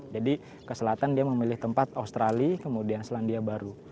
jadi ke selatan dia memilih tempat australia kemudian selandia baru